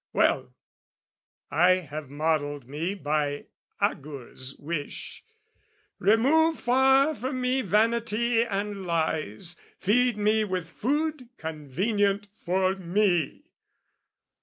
Well, I have modelled me by Agur's wish, "Remove far from me vanity and lies, "Feed me with food convenient for me!"